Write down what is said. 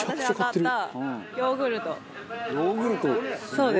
そうです。